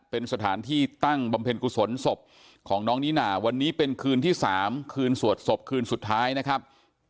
เป็นสถานที่ตั้งบำเพ็ญกุศลศพของน้องนิน่าวันนี้เป็นคืนที่๓คืนสวดศพคืนสุดท้ายนะครับ